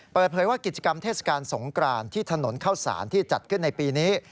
เปิดเผยว่ากิจกรรมเทศกาลสงกรานที่ถนนเข้าสารที่จัดขึ้นในปีนี้